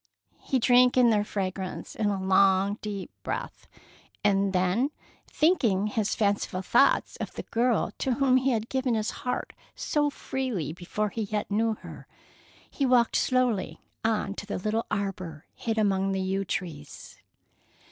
He drank in their fragrance in a long, deep breath, and then, thinking his fanciful thoughts of the girl to whom he had given his heart so freely before he yet knew her, he walked slowly on to the little arbor hid among the yew trees.